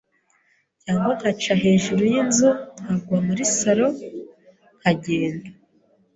cyangwa nkaca hejuru y’inzu nkagwa muri salon nkagenda